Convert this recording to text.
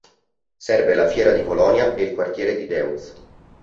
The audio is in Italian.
Serve la Fiera di Colonia e il quartiere di Deutz.